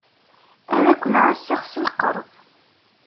Ad ken-ɛasseɣ s lqerb.